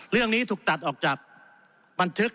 เรื่องนี้ถูกตัดออกจาก